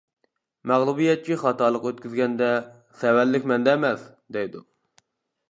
مەغلۇبىيەتچى خاتالىق ئۆتكۈزگەندە : «سەۋەنلىك مەندە ئەمەس» دەيدۇ.